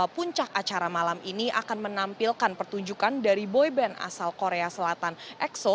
puncak acara malam ini akan menampilkan pertunjukan dari boyband asal korea selatan exo